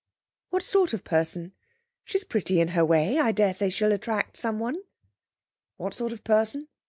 'What sort of person? She's pretty in her way. I daresay she'll attract someone.' 'What sort of person?